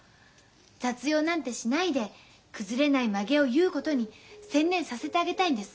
雑用なんてしないで崩れないまげを結うことに専念させてあげたいんです。